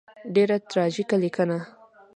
ډېره تراژیکه لیکنه.